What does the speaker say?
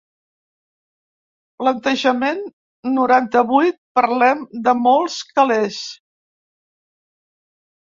Plantejament noranta-vuit parlem de molts calés.